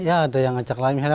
ya ada yang ngajak lain